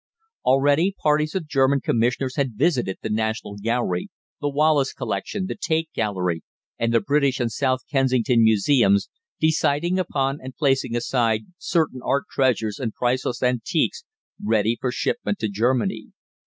Already parties of German commissioners had visited the National Gallery, the Wallace Collection, the Tate Gallery, and the British and South Kensington Museums, deciding upon and placing aside certain art treasures and priceless antiques ready for shipment to Germany.